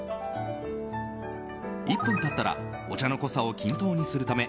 １分経ったらお茶の濃さを均等にするため